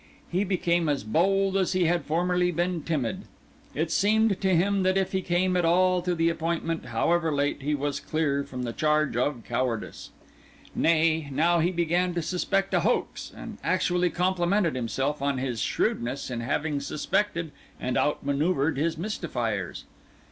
He became as bold as he had formerly been timid. It seemed to him that if he came at all to the appointment, however late, he was clear from the charge of cowardice. Nay, now he began to suspect a hoax, and actually complimented himself on his shrewdness in having suspected and outmanoeuvred his mystifiers.